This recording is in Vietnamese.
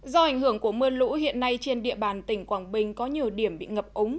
do ảnh hưởng của mưa lũ hiện nay trên địa bàn tỉnh quảng bình có nhiều điểm bị ngập úng